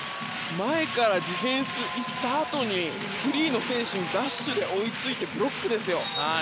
前からディフェンスに行ったあとにフリーの選手にダッシュで追いついてブロックですよ。